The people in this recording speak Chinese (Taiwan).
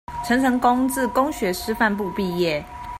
陳澄波自公學師範部畢業